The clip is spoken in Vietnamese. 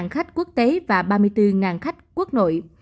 khách quốc tế và ba mươi bốn khách quốc nội